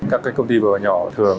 các công ty vừa và nhỏ